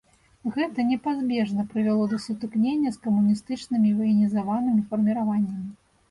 Гэта непазбежна прывяло да сутыкненняў з камуністычнымі ваенізаванымі фарміраваннямі.